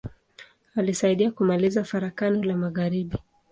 Alisaidia kumaliza Farakano la magharibi.